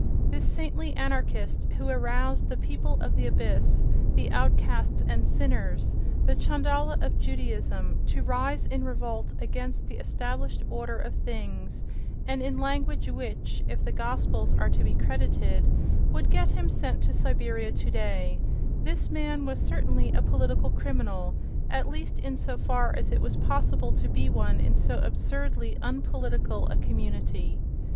This saintly anarchist, who aroused the people of the abyss, the outcasts and "sinners," the Chandala of Judaism, to rise in revolt against the established order of things—and in language which, if the Gospels are to be credited, would get him sent to Siberia today—this man was certainly a political criminal, at least in so far as it was possible to be one in so absurdly unpolitical a community.